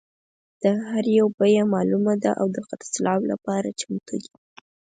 د هر یو بیه معلومه ده او د خرڅلاو لپاره چمتو دي.